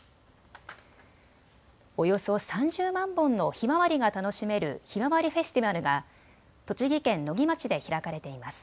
およそ３０万本のひまわりが楽しめるひまわりフェスティバルが栃木県野木町で開かれています。